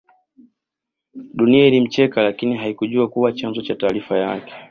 Dunia ilimcheka lakini haikujjua kuwa chanzo cha taarifa yake